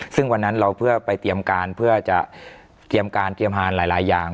ซึ่งวันนั้นเราเพื่อไปเตรียมการเพื่อจะเตรียมการเตรียมอาหารหลายอย่าง